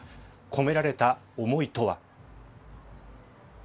込められた思いとは。